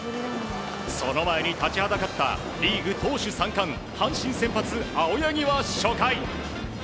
その前に立ちはだかったリーグ投手３冠阪神先発、青柳は初回。